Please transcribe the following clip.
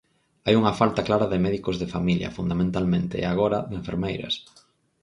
Hai unha falta clara de médicos de familia, fundamentalmente; e agora, de enfermeiras.